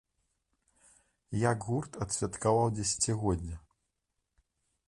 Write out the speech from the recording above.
Як гурт адсвяткаваў дзесяцігоддзе?